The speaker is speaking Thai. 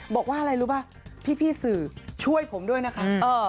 บอกว่าอะไรรู้ป่ะพี่สื่อช่วยผมด้วยนะคะ